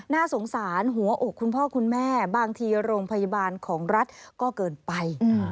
น่าสงสารหัวอกคุณพ่อคุณแม่บางทีโรงพยาบาลของรัฐก็เกินไป